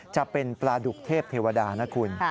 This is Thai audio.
จะเป็นปลาดุกเทพเทวดานะคุณ